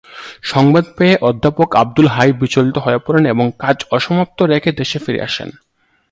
সংবাদ পেয়ে অধ্যাপক আবদুল হাই বিচলিত হয়ে পড়েন এবং কাজ অসমাপ্ত রেখে দেশে ফিরে আসেন।